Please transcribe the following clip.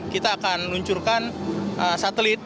kita akan luncurkan satelit